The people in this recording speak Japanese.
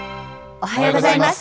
おはようございます。